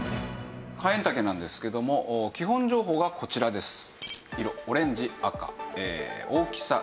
カエンタケなんですけども基本情報がこちらです。